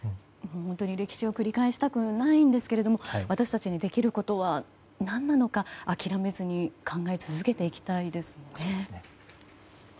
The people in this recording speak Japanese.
本当に歴史を繰り返したくないんですけど私たちにできることは何なのか諦めずに考え続けていきたいですね。